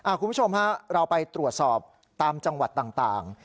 คุณผู้ชมฮะเราไปตรวจสอบตามจังหวัดต่าง